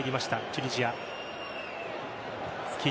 チュニジア。